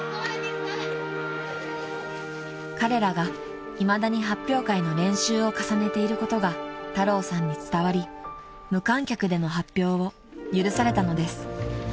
［彼らがいまだに発表会の練習を重ねていることが太郎さんに伝わり無観客での発表を許されたのです］